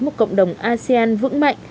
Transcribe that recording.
một cộng đồng asean vững mạnh